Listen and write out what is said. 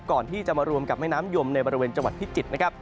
ก่อนที่จะมารวมกับแม่น้ำยมในบริเวณจังหวัดพิจิตรนะครับ